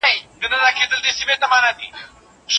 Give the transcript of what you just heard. په فضا کې د ستورو غونډارې کهکشانونه جوړوي.